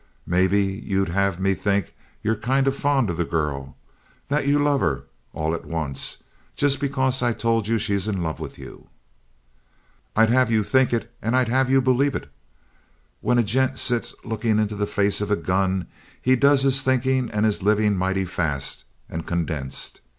"Maybe you'd have me think you're kind of fond of the girl that you love her, all at once, just because I told you she's in love with you?" "I'd have you think it and I'd have you believe it. When a gent sits looking into the face of a gun he does his thinking and his living mighty fast and condensed.